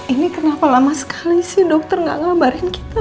ini kenapa lama sekali sih dokter gak ngabarin kita